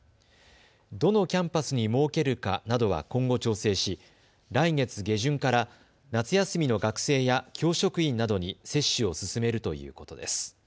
どのキャンパスに設けるかなどは今後、調整し来月下旬から夏休みの学生や教職員などに接種を進めるということです。